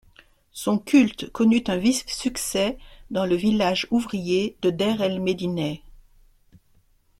Son culte connut un vif succès dans le village ouvrier de Deir el-Médineh.